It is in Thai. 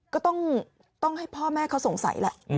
ก็ต้องให้พ่อแม่เขาสงสัยแหละ